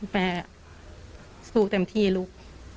แม่สู้เต็มที่ลูก